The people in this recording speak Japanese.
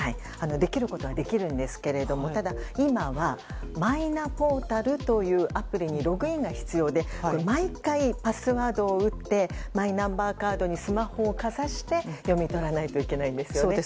できることはできるんですがただ、今はマイナポータルというアプリにログインが必要で毎回パスワードを打ってマイナンバーカードにスマホをかざして読み取らないといけないんですよね。